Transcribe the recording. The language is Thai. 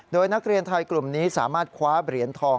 โดยนักเรียนไทยกลุ่มนี้สามารถคว้าเหรียญทอง